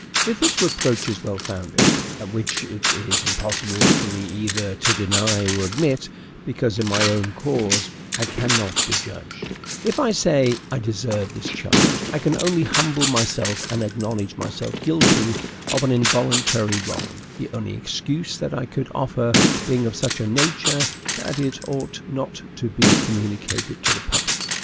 If this reproach is well founded (which it is impossible for me either to deny or admit, because in my own cause I cannot be judge), if, I say, I deserve this charge, I can only humble myself and acknowledge myself guilty of an involuntary wrong; the only excuse that I could offer being of such a nature that it ought not to be communicated to the public.